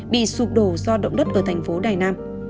bị sụp đổ do động đất ở thành phố đài nam